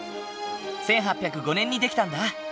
１８０５年に出来たんだ。